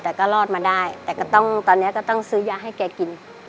แต่ก็รอดมาได้แต่ก็ต้องตอนนี้ก็ต้องซื้อยาให้แกกิน